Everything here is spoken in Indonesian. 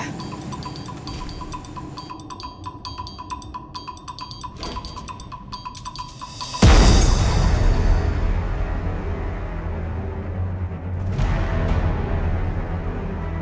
sampai jumpa lagi